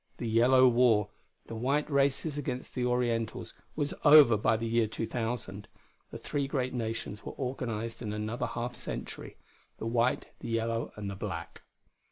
The Yellow War the white races against the Orientals was over by the year 2000. The three great nations were organized in another half century: the white, the yellow and the black.